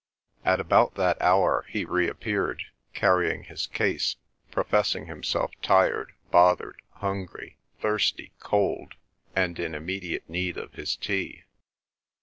At about that hour he reappeared, carrying his case, professing himself tired, bothered, hungry, thirsty, cold, and in immediate need of his tea.